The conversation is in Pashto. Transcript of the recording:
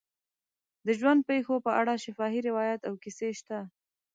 د ژوند پېښو په اړه شفاهي روایات او کیسې شته.